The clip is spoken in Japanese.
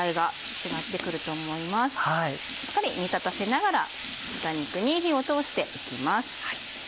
しっかり煮立たせながら豚肉に火を通していきます。